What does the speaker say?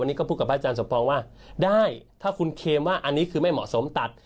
นี่ก็พูดกับพระอาจารย์สมปองว่าได้ถ้าคุณเคมว่าอันนี้คือไม่เหมาะสมตัด